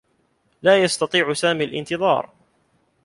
لا يستطيع سامي الانتظار.